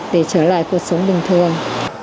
để trở lại cuộc sống bình thường